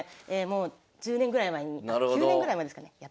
もう１０年ぐらい前にあっ９年ぐらい前ですかねやってました。